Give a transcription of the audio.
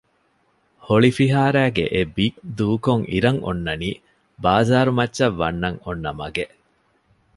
ހޮޅި ފިހާރައިގެ އެ ބިތް ދޫކޮށް އިރަށް އޮންނަނީ ބާޒާރުމައްޗަށް ވަންނަން އޮންނަ މަގެއް